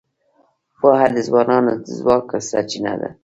پوهه د ځوانانو د ځواک سرچینه ده.